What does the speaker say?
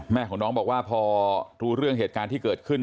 แม่ของน้องบอกว่าพอรู้เรื่องเหตุการณ์ที่เกิดขึ้น